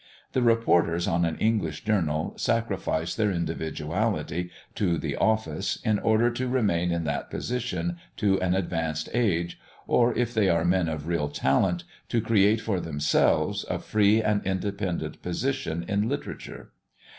The reporters on an English journal sacrifice their individuality to the "Office" in order to remain in that position to an advanced age, or, if they are men of real talent, to create for themselves a free and independent position in literature.